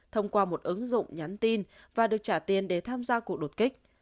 thông qua một ứng dụng nhắn tin và được trả tiền để tham gia cuộc đột kích